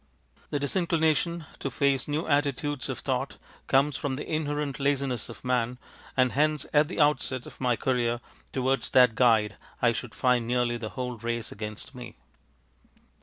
The disinclination to face new attitudes of thought comes from the inherent laziness of man, and hence at the outset of my career towards that guide I should find nearly the whole race against me.